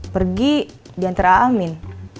pergi diantara amin